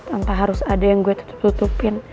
entah harus ada yang gue tutup tutupin